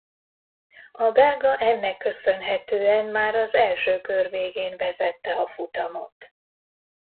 A belga ennek köszönhetően már az első kör végén vezette a futamot.